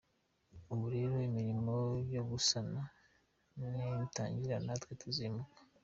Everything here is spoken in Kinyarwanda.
Ubu rero imirimo yo gusana nitangira, natwe tuzimuka.